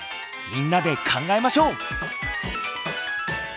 みんなで考えましょう。